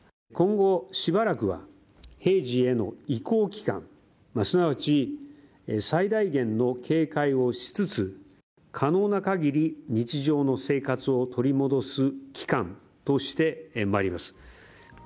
今後しばらくは平時への移行期間、すなわち最大限の警戒をしつつ可能な限り日常の生活を取り戻す期間としてまいります。